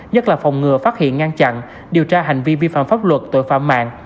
nhất là phòng ngừa phát hiện ngăn chặn điều tra hành vi vi phạm pháp luật tội phạm mạng